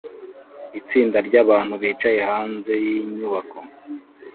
Itsinda ryabantu bicaye hanze yinyubako